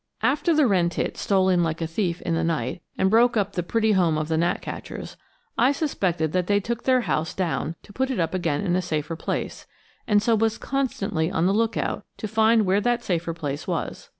AFTER the wren tit stole in like a thief in the night and broke up the pretty home of the gnatcatchers, I suspected that they took their house down to put it up again in a safer place, and so was constantly on the lookout to find where that safer place was.